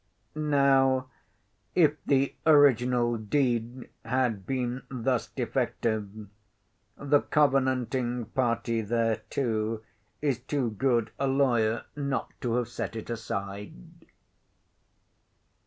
_] Now, if the original deed had been thus defective, the covenanting party thereto is too good a lawyer, not to have set it aside."